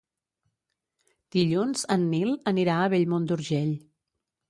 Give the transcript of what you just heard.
Dilluns en Nil anirà a Bellmunt d'Urgell.